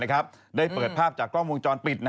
และคอวิทยาลัยได้เปิดภาพจากกล้องวงจรปิด